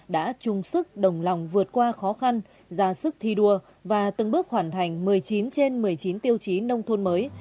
đã chung sức đồng lòng vượt qua khó khăn ra sức thi đua và từng bước hoàn thành một mươi chín trên một mươi chín tiêu chí nông thôn mới